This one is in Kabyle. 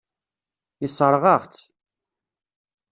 Yessṛeɣ-aɣ-tt.